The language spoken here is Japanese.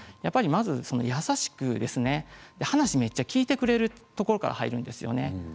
まず優しく話をめっちゃ聞いてくれるところから入るんですよね。